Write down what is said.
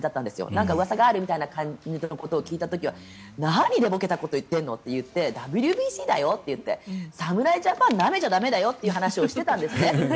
なんかうわさがあるみたいなことを聞いた時は何寝ぼけたこと言ってるの？って言ってＷＢＣだよっていって侍ジャパンなめちゃ駄目だよという話をしていたんですね。